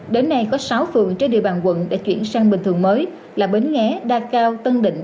đến nay có sáu phường trên địa bàn quận đã chuyển sang bình thường mới là bến nghé đa cao tân định